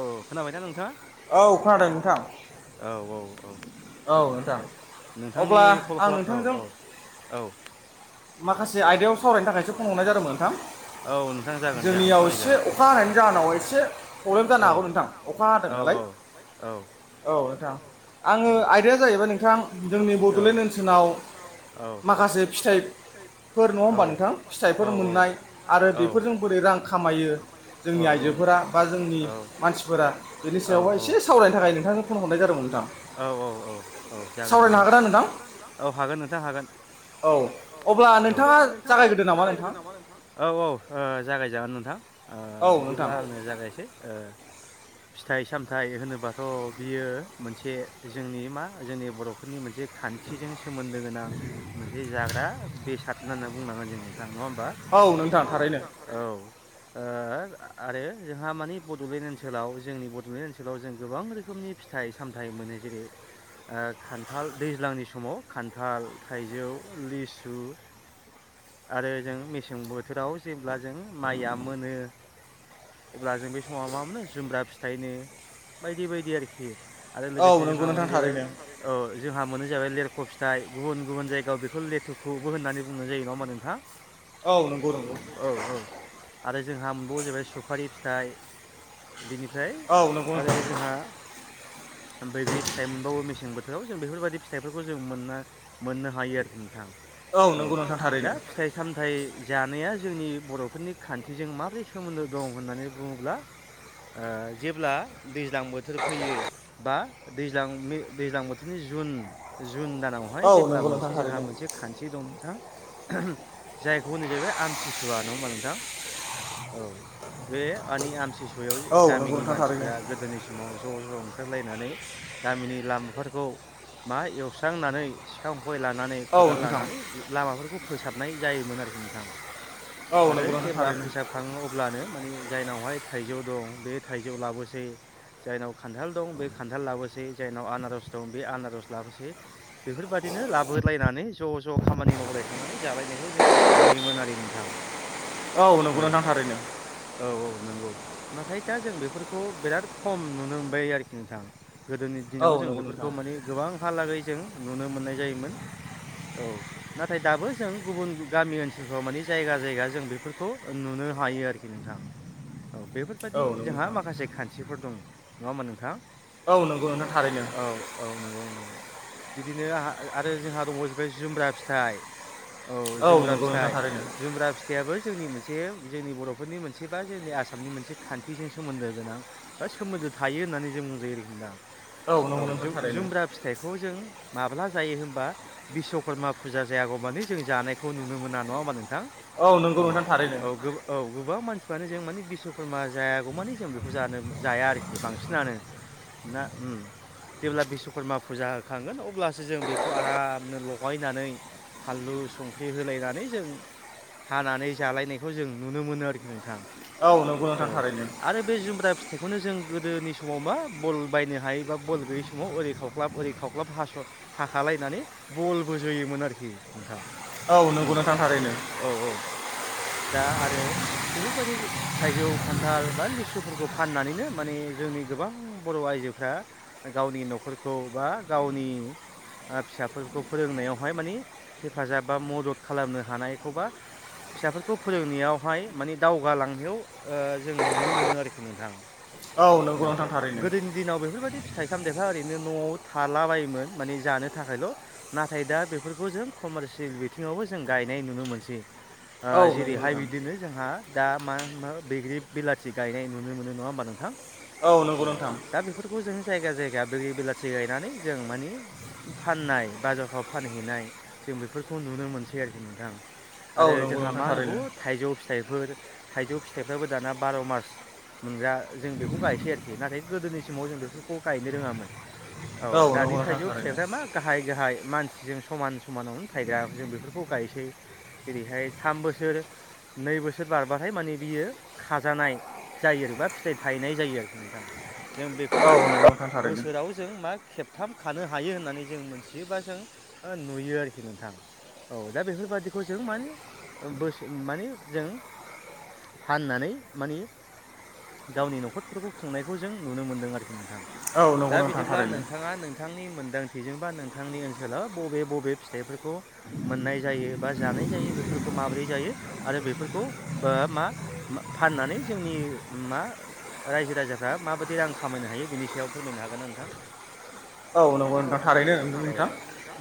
ओ खोनाबायना नोंथाङा औ खोनादों नोंथां औ औ औ नोंथां अब्ला आं नोंथांजों माखासे आयदायाव सावरायनो थाखायसो फन हरनाय जादोंमोन नोंथां जोंनियाव एसे अखा हानायनि जा [inaudible] औ औ औ औ औ नोंथां आङो आयदाया जाहैबाय नोंथाङा जोंनि बड'लेण्ड ओनसोलाव माखासे फिथाइ फोर नङा होमबा नोंथां फिथाइफोर मोननाय आरो बेफोरजों बोरै रां खामायो जोंनि आइजो फोरा बा जोंनि मानसिफोरा बेनि सायावहाय एसे सावरायनो थाखाय नोंथांनो फन हरनाय जादोंमोन नोंथां औ औ औ जागोन नोंथां औ हागोन नोंथां हागोन औ अब्ला औ अब्ला नोंथाङा जागायग्रोदो नामा नोंथां औ औ ओ जागायजागोन नोंथां ओ बिदिब्ला आंनो जागायसै ओ [inaudible] फिथाइ सामथाइ होनोबाथ' बियो मोनसे जोंनि मा जोंनि बर'फोरनि मोनसे खान्थिजों सोमोन्दो गोनां मोनसे जाग्रा बेसादनो होनना बुंनांगोन जों नों थां नङा होमबा औ नोंथां हागोन औ ओ आरो जोंहा मानि बड'लेण्ड ओनसोलाव जोंनि बड'लेण्ड ओनसोलाव जों गोबां रोखोम नि फिथाइ सामथाइ मोनो जेरै ओ खान्थाल दैज्लांनि समाव खान्थाल थाइजौ लिसु आरो जों मेसें बोथोराव जेब्ला जों माइया मोनो अब्ला जों बे समाव मा मोनो जुमब्रा फिथाइनो बायदि बायदि आरोखि आरो लोगोसे जोंहा मोनो जाहैबाय ओ जोंहा मोनो [unintelligible] लेरख' फिथाइ गुबुन गुबुन जायगाव बेखौ लेथुखुबो होननानै बुंनाय जायो नुवा होमबा नोंथां [unintelligible] औ औ आरो जोंहा मोनबावो जाबाय सुफारि फि थाइ बिनिफ्राय आरो जोंहा बैग्रि फिथाइ मोनबावो मेसें बोथोराव जों बेफोरबायाददि फिथाइफोरखौ जों मोनना मोननो हायो आरोखि नों थां औ दा फिथाइ-सामथाइ जानाया जोंनि बर'फोरनि खान्थिजों माबोरै सोमोन्दो दं होननानै बुङोब्ला ओ जेब्ला दैज्लां बोथोर फैयो बा दैज्लां मे दैज्लां बोथोरनि जुन जुन दानावहाय जेब्ला मोनसे जोंहा मोनसे खान्थि दं नोंथां जायखौ होनो जाहैबाय आमसिसुवा नङा होमबा नोंथां। औ बे मानि आमसिसायाव गामिनि मानसिफ्रा गोदोनि समाव ज' ज' ओंखारलायनानै गामिनि लामाफोरखौ मा एवस्रांनानै सिखाव गय लानानै खदाल लानानै माबाफोरखौ फोसाबनाय जायोमोन आरोखि नोंथां आरो जेब्ला फोसाबखाङो अब्लानो मानि जायनावहाय थाइजौ दं बे थाइजौ लाबोसै जायनाव खान्थाल दं बे खान्थाल लाबोसै जायनाव आनारस दं बे आनारस लाबोसै बेफोरबायदि बिदिनो लाबोहोलायनानै ज' ज' खामानि मावलायखांनानै जालायनायखौ जों नुयोमोन आरो नोंथां। औ औ औ नांगौ नाथाय दा जों बेफोरखौ बिराद खम नुनो मोनबाय आरोखि नोंथां। गोदोनि दिनाव जों बेफोरखौ माने गोबांहालागै जों नुनो मोननाय जायोमोन औ नाथाय दाबो जों गुबुन गामि ओनसोलफ्राव माने जायगा जायगा जों बेफोरखौ नुनो हायो आरोखि नोंथां औ बेफोरबाददि जोंहा माखासे खान्थिफोर दं नङा होनमा नोंथां। औ औ नंगौ नंगौ बिदिनो आंहा आरो जोंहा दङ जाहैबाय जुमब्रा फिथाइ। औ जुमब्रा फिथाइ जुमब्रा फिथाइयाबो जोंनि मोनसे जोंनि बर'फोरनि मोनसे बा जोंनि आसामनि मोनसे खान्थिजों सोमोन्दो गोनां बा सोमोन दो थायो होननानै जों बुंजायो आरोखि नोंथां। जु-जुमब्रा फिथाइखौ जों माब्ला जायो होनबा बिस्कर्मा फुजा जायागौ मानि जों जानायखौ नुनो मोना नङा होनबा नों थां औ औ औ गोबां मानसि फ्रानो जों माने बिस्कर्मा जायागौमानि जों बेखौ जानो जाया आरोखि बांसिनानो ना उ जेब्ला बिशस्वकर्मा फुजा होखांगोन अब्लासो जों आरामनो लगाय नानै फानलु, संख्रि होलायनानै जों हानानै जालायनायखौ जों नुनो मोनो आरोखि नोंथां। औ आरो बे जुमब्रा फि थायखौनो जों गोदोनि समाव मा बल बायनो हायि बा बल गैयै समाव ओरै खावख्लाब ओरै खावख्लाब हास' हाखालायनानै बल बो जोयोमोन आरोखि नोंथां ओम औ औ दा आरो बेफोरबायदि थाइजौ, खान्थाल बा लिसुफोरखौ फाननानैनो माने जोंनि जोंनि गोबां बर' आइजोफ्रा गावनि न'खरखौ बा गावनि ओ फिसाफोरखौ फोरोंनायावहाय मानि हेफाजाब बा मदद खालामनो हानायखौबा फिसाफोरखौ फोरोंनायावहाय माने दावगालांनायाव ओ जोङो नुनो मोनो आरोखि नोंथां। औ गोदोनि दिनाव बेफोरबायदि फि थाइ-सामथायाइफ्रा ओरैनो न'आव थालाबायोमोन माने जानो थाखायल' नाथाय दा बेफोरखौ जों कमारसियेल बिथिङावबो जों गायनाय नुनो मोनसै। ओ जेरैहाय बिदिनो जोंहा दा मा मा बैग्रि बिलाथि गायनाय नुनो मोनो नङा होमबा नोंथां। औ दा बेफोरखौ जोंङो जायगा जायगा बेलि बिलाथि गायनानै जों मान फाननाय बाजा राव फानहैनाय जों बेफोरखौ नुनो मोनसै आरोखि नोंथां। आरो जोंहा मा नुबावो थाइजौ फिथाइफोर थाइजौ फिथाइफ्राबो दाना बार' मास मोनग्रा जों बेखौ गायसै आरोखि नाथाय गोदोनि समाव जों बेफोरखौ गायनो रोङामोन। औ दानि थाइजौ फिथाइफ्रा मा गाहाय गाहाय मान सिजों समान समानावनो थायग्रा जों बेफोरखौ गायसै जेरैहाय थाम बोसोर नै बोसोर बारबाथाय माने बियो खाजानाय जायो आरो बा फिथाइ थाहैनाय जायो आरोखि नोंथां। जों बेखौ बोसोराव जों मा खेबथाम खानो हायो होननानै जों मोनथियोबा जों ओ नुयो आरोखि नोंथां। औ दा बेफोरबादिखौ जों माने ओ बोसो माने जों। फाननानै माने गावनि न'खरफोरखौ खुंनायखौ जों नुनो मोनदों आरोखि नोंथां। दा बिदिब्ला नोंथाङा नोंथांनि मोन्दांथिजों बा नोंथांनि ओनस सोला बबे बबे फिथाइफोरखौ मोननाय जायो बा जानाय जायो बेफोरखौ माबोरै जायो आरो। बेफोरखौ बो मा फाननानै जोंनि मा। रायजो राजाफ्रा माबायदि रां खामायनो हायो बिनि सायाव फोरमायनो हागोन ना नोंथां। औ नंगौ नोंथां थारैनो नोंगौ नोंथां।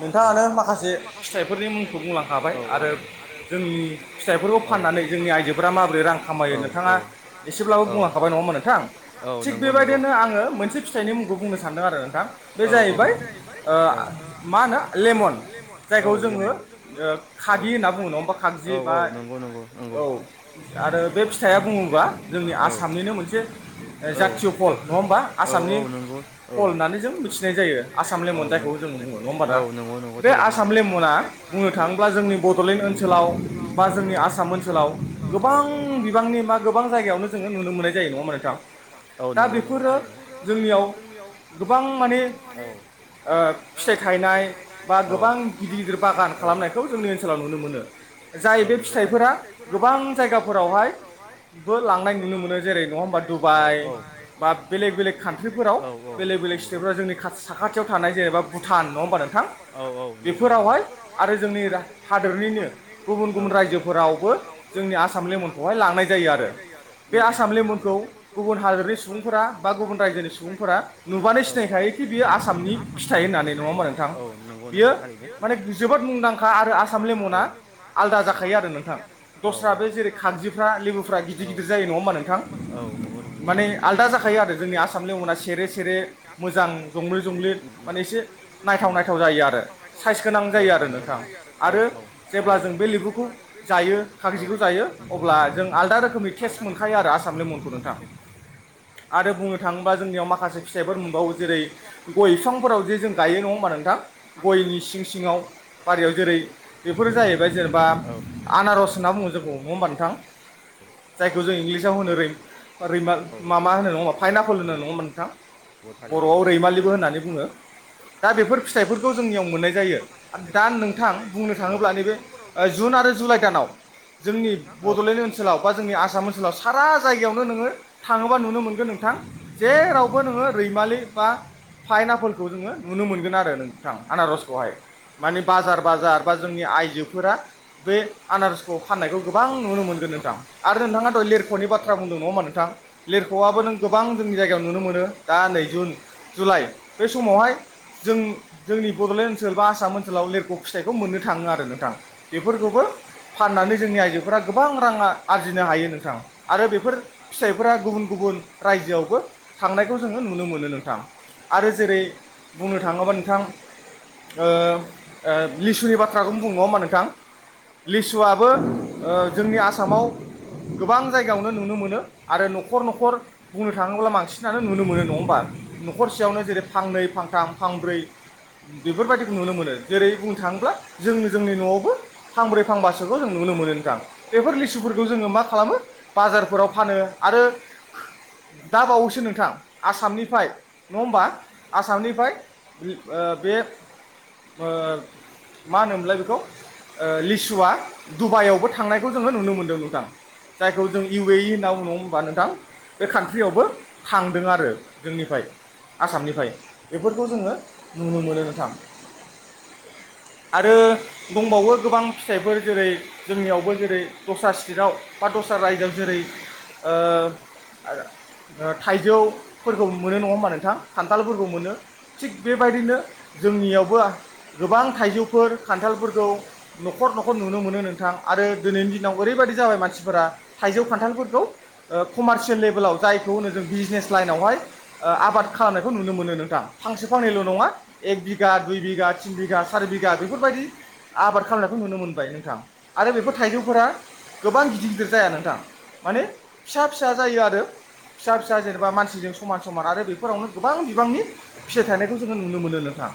नोंथाङानो माखासे फिथाइफोरनि मुंखौ बुंलांखाबाय आरो जोंनि फिथाइफोरखौ फानना औ-औ-औ नंगौ-नंगौ। नो आङो मोनसे फिथाइनि मुंखौ बुंनो सानदों आरो नोंथां बे जाहैबाय ओ मा औ लेमन औ-औ-औ नंगौ-नंगौ। औ आरो बे फिथाइया बुङोबा जोंनि आसामनिनो मोनसे ओ जाथिय'। औ औ नंगौ औ। जायो आसाम लेमन जायखौ जों बुङो। औ नंगौ-नंगौ थारैनो बे आसाम लना बुंनो थाङोब्ला जोंनि बद'लेण ओनोलाव औ-औ। बा जोंनि आसाम ओनसोलाव औ-औ गोबां बिबांनि मा गोबां जायगायावनो जोङो नुनो मोननाय जायो नङा होमबा नोंथां औ। दा बेफोरो जोंनियाव गोबां माने ओ फिथाइ थाय। फिथाइ थायनाय औ बा गोबां गिदिर-गिदिर औ बागान खालामनायखौ जोंनि ओनसोलाव नुनो मोनो औ नोंगौ थारैनो जाय। फोरा गोबां जायगाफोरावहाय बो लांनाय नुनो मोनो जेरै- नङा होमबा दुबाइ बा बेलेग-बेलेग कान्ट्रिफोराव बेलेग-बेलेग स्टेटफोराव जोंनि साखाथियाव थानाय जेनेबा भुटान। औ-औ नोंगौ-नोंगौ औ-औ। राज्योफोरावबो जोंनि आसाम लेमननखौहाय लांनाय जायो आरो उम-उम बे आसाम लेमननखौ गुबु सुबुंफोरा बा गुबुन रायजोनि सुबुंफोरा नुबानो सिनायखायोखि बेयो आसामनि फिथाइ होननानै। औ नंगौ-नंगौ थारैनो औ। गोरा जाखायो आरो नोंथ औ-औ दस्रा बे जेरै- खारजिफ्रा औ [unintelligible] गिदिर-गिदिर जायो नङा होमबा नोंथां औ नंगौ-नंगौ। माने आलदा जाखायो आरो जोंनि आसामनि लेमना सेरे-सेरे मोजां। सेरे-सेरे उम-उम जंब्लिद-जंब्लिद उम माने नायथाव नायथाव जायो आरो औ नोंगौ साइस गोनां जायो आरो औ। जेब्ला जों बे लिबुखौ जायो खाखिजिखौ जायो अब्ला जों आलदा रोखोमनि टेस्ट मोनखायो आरो आस साम लेमनखौ नोंथां आरो बुंनो थाङोबा जोंनियाव माखासे फिथाइफोर मोनबावो जेरै गय बिफांफोराव जे जों गायो नङा होमबा नोंथां गयनि सिं सिङाव। बारियाव जेरै- बेफोरो जाहैबाय जेनेबा आनारस, होनना बुङो जोंखौ हम होमबा नोंथां? जायखौ जों इंलिसाव होनो रिं बा रैमाल मा-मा होनो नङा फाइनाफोल होनो नङा होमबा नोंथां बर'आव रैमालि। होननानै बुङो। दा बेफोर फिथाइफोरखौ जोंनियाव मोननाय जायो दा नोंथां बुंनो थाङोब्ला नैबे ओ जुन। आरो जुलाइ दानाव जोंनि बड'लेण्ड ओनसोल लाव बा जोंनि आसाम ओनसोलाव सारा जायगायावनो नोङो थाङोबा नुनो मोनगोन नोंथां जेेरावबो नोङो। [unintelligible] रैमालि बा फाइनाफोलखौ जोङो नुनो मोनगोन आरो नोंथां आनारसखौहाय। माने बाजार-बाजार बा जोंनि आइजोफोरा बे आनारसखौ। फाननायखौ गोबां नुनो मोनगोन नोंथां आरो नोंथाङाथ' लेरख'नि बाथ्रा बुंदों नङा होमबा नोंथां। लिरख'आआबो नों गोबां जोंनि जायगायाव नुनो मोनो दा नै जुन जुलाइ बे समावहाय जों जोंनि बड'लेण्ड ओनसोल बा आसाम ओनसोलाव लिरग' फिथाइखौ मोननो थाङो आरो नोंथां बेफोरखौबो फाननानै जोंनि आइजोफोरा गोबां रां आरजिनो हायो नोंथां आरो बेफोर फिथाइफोरा गुबुन-गुबुन बुन रायजोआवबो थांनायखौ जोङो नुनो मोनो नोंथां। आरो जेरै- बुंनो थाङोबा नोंथां ओ-ओ लिसुनि बाथ्राखौनो बुं नङा होमबा नोंथां। लिसुआबो ओ जोंनि आसामाव गोबां जायगायावनो नुनो मोनो आरो न'खर न'खर बुंनो थाङोब्ला बांसिनानो नुनो मोनो नङा होमबा। न'खरसेयावनो जेरै फांनै, फांथाम, फांब्रै बेफोरबायदिखौ नुनो मोनो जेरै बुंनो थाङोब्ला जोंनो जोंनि न'आवबो फांब्रै फांबासोखौ जों नुनो नुनो मोनो नोंथां। बेफोर लिसुफोरखौ जोङो मा खालामो बाजारफोराव फानो आरो दा बावैसो नोंथां आसामनिफाय नङा होमबा, आसामनिफाय बिब ओ बे ओ मा होनोमोनलाय बिखौ? ओ लिसुआ दुबायावबो थांनायखौ जोङो नुनो मोनदों नोंथां। जायखौ जों इउ ए इ होना बुङो नङा होमबा नोंथां। बे कान्ट्रियावबो थांदों आरो जोंनिफाय आसामनिफाय बेफोरखौ जोङो नुनो मोनो नोंथां। आरो दंबावो गोबां फिथाइफोर जेरै जोंनियावबो जेरै दस्रा स्टितेट आव बा दस्रा रायजोयाव जेरै ओ आ ओ थाइजौफोरखौ मोनो नङा होमबा नों थां खान्थालफोरखौ मोनो थिग बेबायदिनो जोंनियावबो गोबां थाइजौफोर खान्थालफोरखौ न'खर न'खर नुनो मोनो नोंथां आरो दिनैनि दिनाव ओरैबा बादि जाबाय मानसिफोरा थाइजौ खान्थालफोरखौ ओ कमारसियेल लेभेलाव जायखौ होनो जों बिजनेस लाइनावहाय ओ आबाद खालामनायखौ नुनो मोनो नोंथां। फांसे फांनैल' नङा एक बिगा, दुइ बिगा, तिन बिगा, सारि बिगा बेफोरबायदि आबाद खालामनायखौ नुनो मोनबाय नोंथां आरो बेफोर थाइजौफोरा गोबां गिदिर गिदिर जाया नोंथां माने फिसा फिसा जायो आरो। फिसा फिसा जेनेबा मानसिजों समान समान आरो बेफो फोरावनो गोबां बिबांनि फिथाइ थनायखौ जोङो नुनो मोनो नोंथां।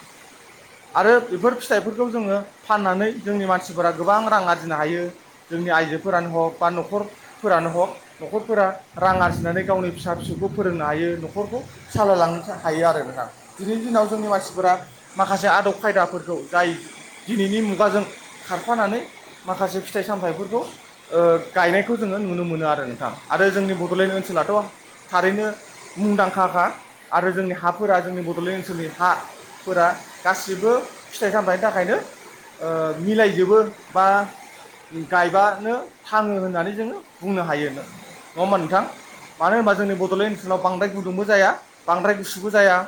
आरो बिफोर फिथाइफोरखौ जोङो फाननानै जोंनि मानसिफोरा गोबां रां आरजिनो हायो। जोंनि आइजोफोरानो हक बा न'खरफोरानो हक न'खरफोरा रां आरजिनानै गावनि फिसा फिसौखौ फोरोंनो हायो न'खरखौ सालायलांनो हायो आरो नोंथां दिनैनि दिनाव जोंनि मानसिफोरा माखासे आदब खायदाफोरखौ जाय दिनै नि मुगाजों खारफानानै माखासे फिथाइ सामथाइफोरखौ ओ गायनायखौ जोङो नुनो मोनो आरो नोंथां आरो जोंनि बड'लेण्ड ओनसो लाथ' थारैनो मुंदांखाखा आरो जोंनि हाफोरा जोंनि बड'लेण्ड ओनसोलनि हाफोरा गासिबो फिथाइ सामथाइनि थाखाय यो ओ मिलायजोबो बा गायबानो थाङो होननानै जोङो बुंनो हायो नङा होमबा नोंथां। मानो होनबा जोंनि बड'लेण्ड ओनसोलाव बांद्राय गुदुंबो जाया बांद्राय गुसुबो जाया